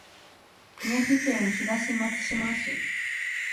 宮城県東松島市